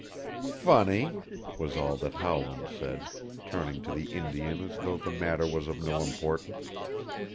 "Funny," was all that Howland said, turning to the Indian as though the matter was of no importance.